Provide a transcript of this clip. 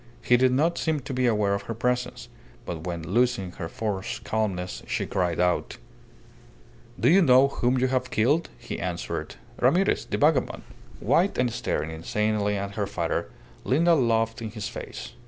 He did not seem to be aware of her presence, but when, losing her forced calmness, she cried out "Do you know whom you have killed?" he answered "Ramirez the vagabond." White, and staring insanely at her father, Linda laughed in his face.